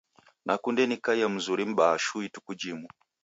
Nakunde nikaiye mzuri m'baa shuu ituku jimu.